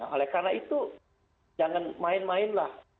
oleh karena itu jangan main mainlah